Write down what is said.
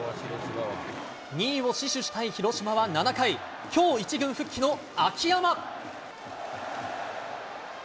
２位を死守したい広島は７回、きょう１軍復帰の秋山。